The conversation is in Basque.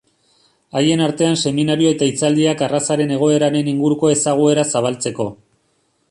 Haien artean seminario eta hitzaldiak arrazaren egoeraren inguruko ezaguera zabaltzeko.